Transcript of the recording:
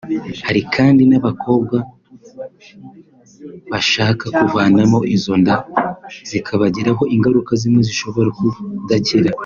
Hari kandi n’abakobwa bashaka kuvanamo izo nda zikabagiraho ingaruka zimwe zishobora kudakira